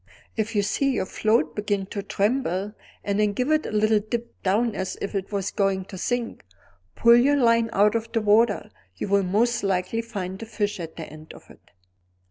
If you see your float begin to tremble, and then give a little dip down as if it was going to sink, pull your line out of the water; you will most likely find a fish at the end of it.